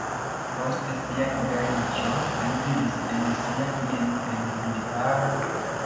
Post sia liberiĝo li vivis en sia bieno en Bihar.